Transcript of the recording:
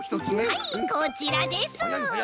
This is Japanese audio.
はいこちらです。